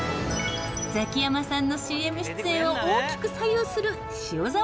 ザキヤマさんのＣＭ出演を大きく左右する塩澤社長が登場。